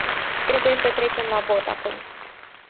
Trebuie să trecem la vot acum.